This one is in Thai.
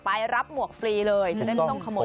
ไปรับหมวกฟรีเลยจะได้ไม่ต้องขโมย